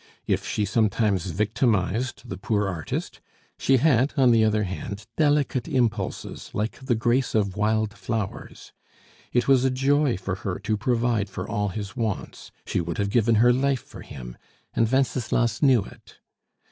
If she sometimes victimized the poor artist, she had, on the other hand, delicate impulses like the grace of wild flowers; it was a joy to her to provide for all his wants; she would have given her life for him, and Wenceslas knew it.